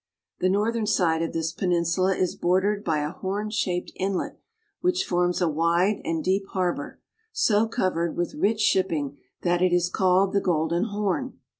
The northern side of this peninsula is bordered by a horn shaped inlet which forms a wide and deep harbor, so covered with rich shipping that it is called the Golden Horn.